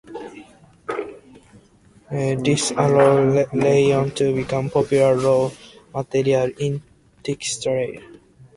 This allowed rayon to become a popular raw material in textiles.